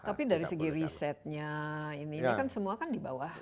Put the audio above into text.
tapi dari segi risetnya ini kan semua kan di bawah